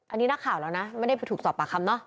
อันนี้นักข่าวแล้วนะไม่ได้ไปถูกสอบปากคำเนาะ